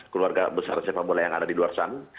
keluarga besar sepak bola yang ada di luar sana